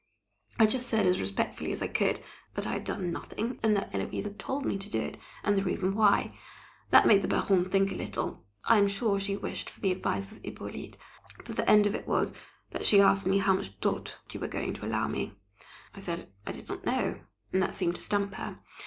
I just said as respectfully as I could, that I had done nothing, and that Héloise had told me to do it, and the reason why. That made the Baronne think a little. I am sure she wished for the advice of Hippolyte; but the end of it was, that she asked me how much dot you were going to allow me! I said I did not know, and that seemed to stump her.